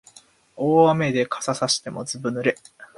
大雨で傘さしてもずぶ濡れ